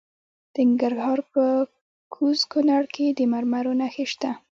د ننګرهار په کوز کونړ کې د مرمرو نښې شته.